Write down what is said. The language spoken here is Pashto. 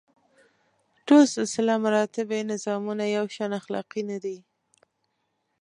ټول سلسله مراتبي نظامونه یو شان اخلاقي نه دي.